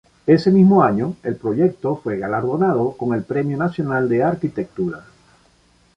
Ese mismo año, el proyecto fue galardonado con el Premio Nacional de Arquitectura.